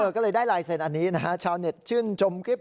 ก็เลยได้ลายเซ็นต์อันนี้นะฮะชาวเน็ตชื่นชมคลิป